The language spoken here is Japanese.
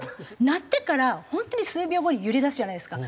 鳴ってから本当に数秒後に揺れだすじゃないですか。